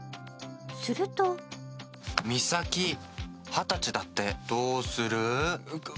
するとｍｉｓａｋｉ二十歳だって、どうする？